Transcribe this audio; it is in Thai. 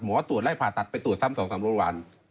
หมอตรวจแล้วให้ผ่าตัดไปตรวจซ้ำ๒๓โรควัน